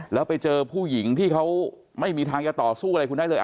แล้วไปเจอผู้หญิงที่เขาไม่มีทางจะต่อสู้อะไรคุณได้เลย